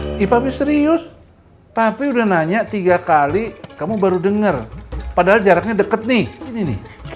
iiih papi serius papi udah nanya tiga kali kamu baru denger padahal jaraknya deket nih ini nih